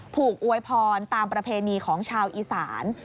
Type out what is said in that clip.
อวยพรตามประเพณีของชาวอีสาน